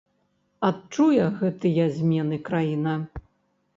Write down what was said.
Адчуе гэтыя змены краіна?